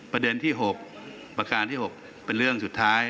ประเด็นที่๖ประการที่๖เป็นเรื่องสุดท้าย